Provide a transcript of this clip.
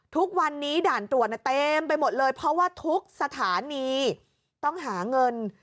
ทุกวันนี้ด่านตรวจเต็มไปหมดเลยเพราะว่าทุกสถานีต้องหาเงิน